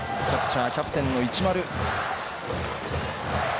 キャッチャーキャプテンの市丸。